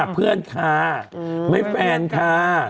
เพื่อนค่ะไม่แฟนค่ะ